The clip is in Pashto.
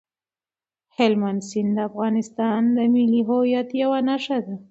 هلمند سیند د افغانستان د ملي هویت یوه نښه ده.